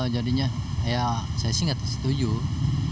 jadinya ya saya sih nggak setuju